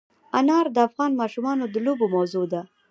انار د افغان ماشومانو د لوبو موضوع ده.